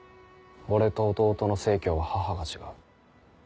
俺と弟の成は母が違う。